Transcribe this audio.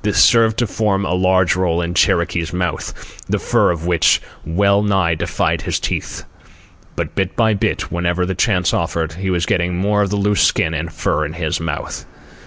This served to form a large roll in Cherokee's mouth, the fur of which well nigh defied his teeth. But bit by bit, whenever the chance offered, he was getting more of the loose skin and fur in his mouth.